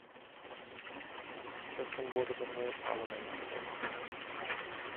Gestern wurde das neue Parlament gewählt.